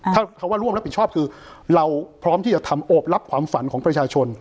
ถ้าคำว่าร่วมรับผิดชอบคือเราพร้อมที่จะทำโอบรับความฝันของประชาชน